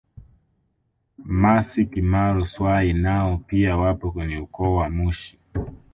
Mmasy Kimaro Swai nao pia wapo kwenye ukoo wa Mushi